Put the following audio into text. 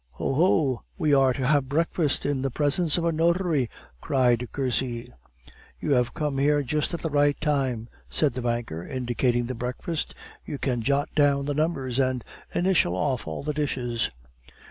"Oh, ho! we are to have breakfast in the presence of a notary," cried Cursy. "You have come here just at the right time," said the banker, indicating the breakfast; "you can jot down the numbers, and initial off all the dishes."